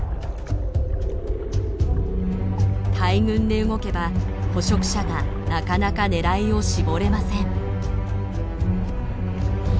大群で動けば捕食者がなかなか狙いを絞れません。